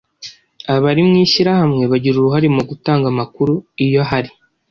abari mu mashyirahamwe bagira uruhare mu gutanga amakuru iyo ahari